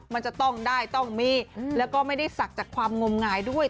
มันจะต้องได้ต้องมีแล้วก็ไม่ได้ศักดิ์จากความงมงายด้วย